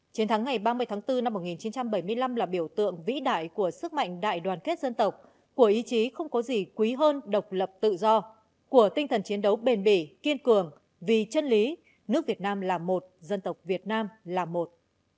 chiến thắng ngày ba mươi tháng bốn năm một nghìn chín trăm bảy mươi năm là biểu tượng vĩ đại của sức mạnh đại đoàn kết dân tộc của ý chí không có gì quý hơn độc lập tự do của tinh thần chiến đấu bền bỉ kiên cường vì chân lý nước việt nam là một dân tộc việt nam là một